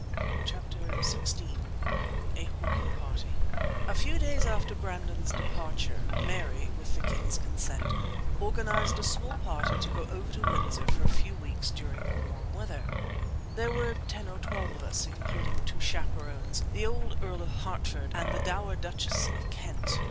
CHAPTER XVI A Hawking Party A few days after Brandon's departure, Mary, with the king's consent, organized a small party to go over to Windsor for a few weeks during the warm weather. There were ten or twelve of us, including two chaperons, the old Earl of Hertford and the dowager Duchess of Kent.